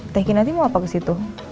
teh kinanti mau apa kesitu